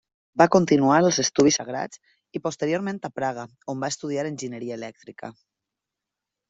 Va continuar els estudis a Graz i posteriorment a Praga on va estudiar enginyeria elèctrica.